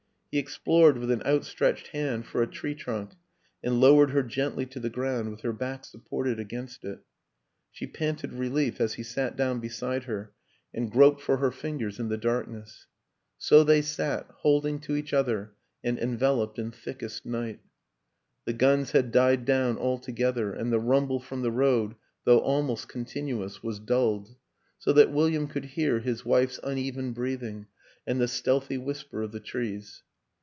He ex plored with an outstretched hand for a tree trunk and lowered her gently to the ground with her back supported against it; she panted relief as he sat down beside her and groped for her fingers in 148 WILLIAM AN ENGLISHMAN the darkness. ... So they sat holding to each other and enveloped in thickest night. The guns had died down altogether, and the rumble from the road, though almost continuous, was dulled so that William could hear his wife's uneven breathing and the stealthy whisper of the trees.